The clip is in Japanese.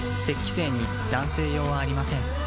精に男性用はありません